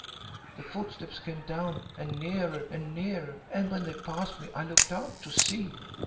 The footsteps came down, and nearer and nearer, and when they passed me I looked out to see.